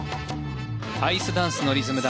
アイスダンスのリズム